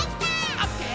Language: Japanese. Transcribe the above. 「オッケー！